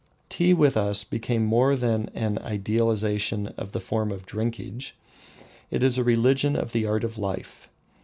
Tea with us became more than an idealisation of the form of drinking; it is a religion of the art of life.